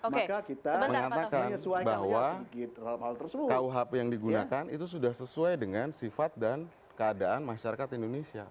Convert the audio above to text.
maka kita mengatakan bahwa kuhp yang digunakan itu sudah sesuai dengan sifat dan keadaan masyarakat indonesia